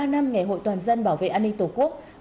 một mươi ba năm ngày hội toàn dân bảo vệ an ninh tổ quốc